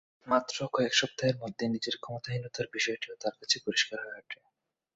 মাত্র কয়েক সপ্তাহের মধ্যেই নিজের ক্ষমতাহীনতার বিষয়টিও তাঁর কাছে পরিষ্কার হয়ে ওঠে।